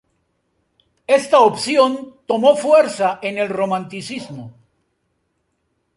Esta opción tomo fuerza en el Romanticismo.